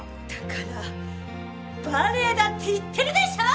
だからバレエだって言ってるでしょう！？